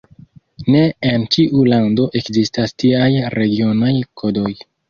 Ne en ĉiu lando ekzistas tiaj regionaj kodoj.